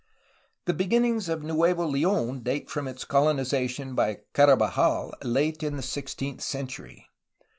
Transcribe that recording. The beginnings of Nuevo Le6n date from its colonization by Carabajal, late in the sixteenth century.